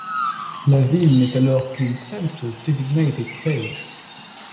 La ville n'est alors qu'une census-designated place.